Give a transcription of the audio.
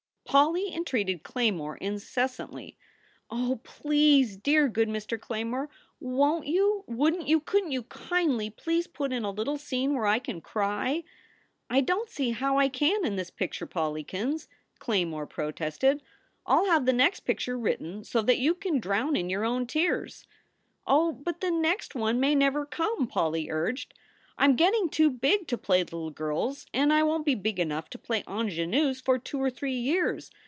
Polly entreated Claymore incessantly: "Oh, please, dear good Mr. Claymore, won t yon wouldn t you couldn t you kindly please put in a little scene where I can cry?" "I don t see how I can in this picture, Polly kins," Clay more protested. "I ll have the next picture written so that you can drown in your own tears." "Oh, but the next one may never come!" Polly urged. "I m getting too big to play little girls, and I won t be big enough to play onjanoos for two or three years.